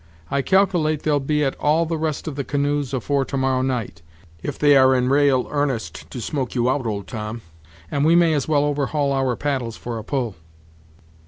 I calcilate they'll be at all the rest of the canoes afore to morrow night, if they are in ra'al 'arnest to smoke you out, old Tom, and we may as well overhaul our paddles for a pull."